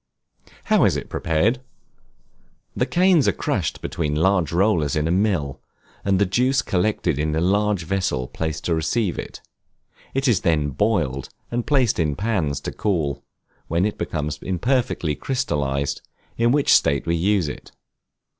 How is it prepared? The canes are crushed between large rollers in a mill, and the juice collected into a large vessel placed to receive it; it is then boiled, and placed in pans to cool, when it becomes imperfectly crystallized, in which state we use it.